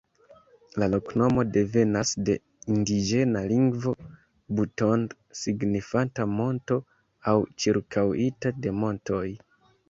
La loknomo devenas de indiĝena lingvo "buntod" signifanta "monto" aŭ "ĉirkaŭita de montoj".